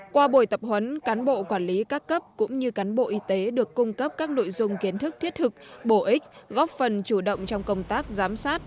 qua buổi tập huấn cán bộ quản lý các cấp cũng như cán bộ y tế được cung cấp các nội dung kiến thức thiết thực bổ ích góp phần chủ động trong công tác giám sát